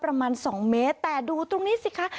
ประมาณสองเมตรแต่ดูตรงนี้สิคะ